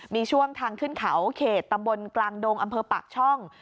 มีช่วงทางขึ้นเขาเขตตำบลกลางดงอำเภอปากช่อง